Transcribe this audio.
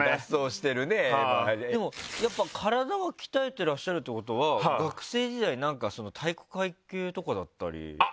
体を鍛えてらっしゃるってことは学生時代、体育会系とかだったり。